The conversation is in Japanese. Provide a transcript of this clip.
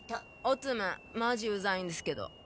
オツムンマジうざいんですけど。